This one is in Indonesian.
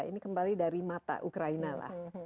ini kembali dari mata ukraina lah